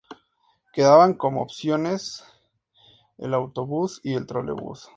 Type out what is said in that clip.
Quedaban como opciones el autobús y el trolebús.